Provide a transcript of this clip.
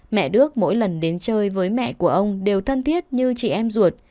mẹ đước mỗi lần đến chơi với mẹ của ông đều thân thiết như chị em ruột